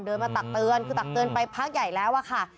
มาตักเตือนคือตักเตือนไปพักใหญ่แล้วอะค่ะ